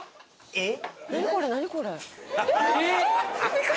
えっ？